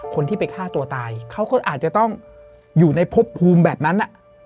คนที่ไปฆ่าตัวตายเขาก็อาจจะต้องอยู่ในพบภูมิแบบนั้น